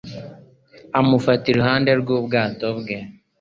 amufata iruhande rw'ubwato bwe